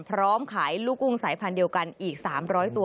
พร้อมขายลูกกุ้งสายพันธุ์เดียวกันอีก๓๐๐ตัว